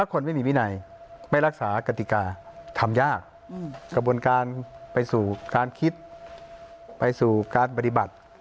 กระบวนการไปสู่การคิดไปสู่การบริบัติ